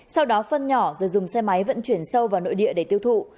sau đó phân nhỏ rồi dùng xe máy vận chuyển sâu vào nội địa để tiêu thụ